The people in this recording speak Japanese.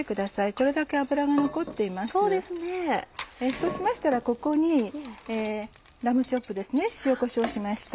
そうしましたらここにラムチョップですね塩こしょうしました。